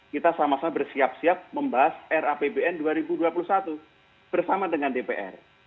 kita sama sama bersiap siap membahas rapbn dua ribu dua puluh satu bersama dengan dpr